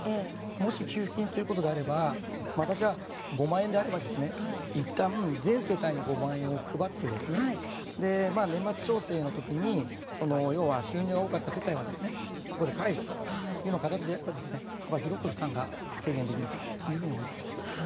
もし給付金ということであれば５万円であれば、いったん全世帯に５万円を配って年末調整の時に収入が多かった世帯はそこで返すという形であれば幅広く負担が軽減できるかなと思います。